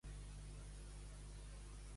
Dos Joans i un Pere, bogeria entera.